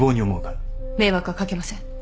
迷惑は掛けません。